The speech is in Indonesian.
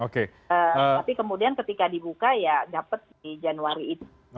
tapi kemudian ketika dibuka ya dapat di januari itu